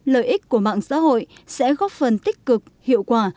lợi ích của mạng xã hội sẽ góp phần tích cực hiệu quả